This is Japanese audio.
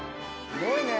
すごいね！